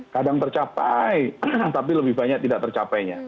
kadang tercapai tapi lebih banyak tidak tercapainya